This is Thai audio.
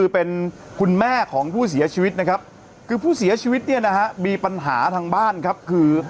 ยังไงยังไงยังไงยังไงยังไงยังไงยังไงยังไง